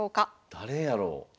誰やろう？